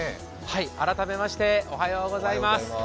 改めましておはようございます。